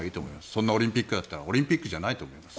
そんなオリンピックだったらオリンピックじゃないと思います。